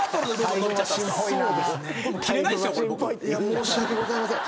申し訳ございません。